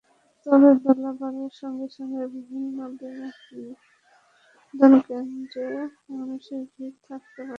তবে বেলা বাড়ার সঙ্গে সঙ্গে বিভিন্ন বিনোদনকেন্দ্রে মানুষের ভিড় বাড়তে থাকে।